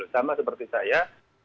sama seperti saya